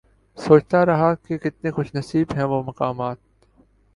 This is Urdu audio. سوچتا رہا کہ کتنے خوش نصیب ہیں وہ مقامات